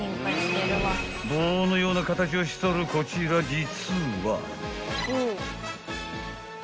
［棒のような形をしとるこちら実は］